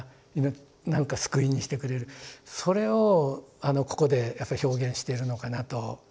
それをここでやっぱり表現してるのかなと。